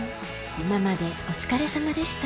今までお疲れさまでした